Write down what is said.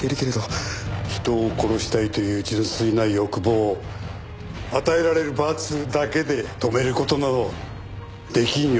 人を殺したいという純粋な欲望を与えられる罰だけで止める事など出来んよ。